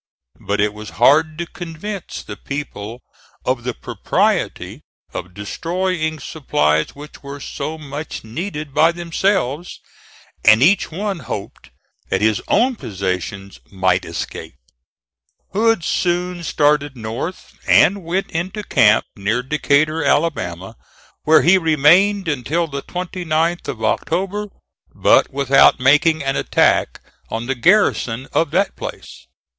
But it was hard to convince the people of the propriety of destroying supplies which were so much needed by themselves, and each one hoped that his own possessions might escape. Hood soon started north, and went into camp near Decatur, Alabama, where he remained until the 29th of October, but without making an attack on the garrison of that place.